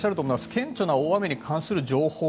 顕著な大雨に関する情報。